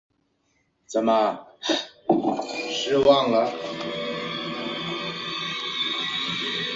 她在小学时开始学习这项运动。